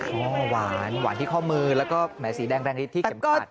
โอ้โหหวานหวานที่ข้อมือแล้วก็แหมสีแดงแรงฤทธิที่เข็มขัด